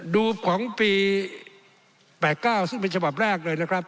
ดูของปี๘๙ซึ่งเป็นฉบับแรกเลยนะครับ